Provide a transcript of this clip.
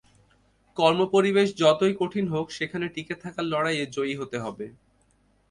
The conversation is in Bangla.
কর্মপরিবেশ যতই কঠিন হোক, সেখানে টিকে থাকার লড়াইয়ে জয়ী হতে হবে।